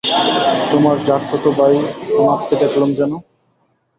তোমার জাঠতুতো ভাই অনাথকে দেখলুম যেন।